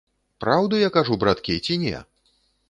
Праўду я кажу, браткі, ці не?